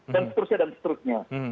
dan seterusnya dan seterusnya